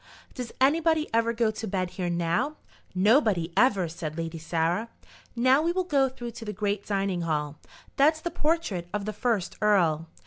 "Does anybody ever go to bed here now?" "Nobody, ever," said Lady Sarah. "Now we will go through to the great dining hall. That's the portrait of the first earl."